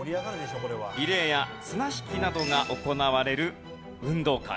リレーや綱引きなどが行われる運動会。